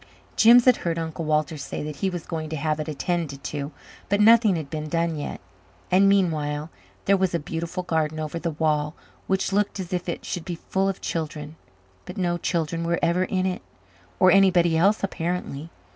Jims had heard Uncle Walter say that he was going to have it attended to but nothing had been done yet. And meanwhile here was a beautiful garden over the wall which looked as if it should be full of children. But no children were ever in it or anybody else apparently.